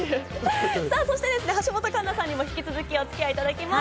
そして橋本環奈さんにもひき続きをお付き合いいただきます。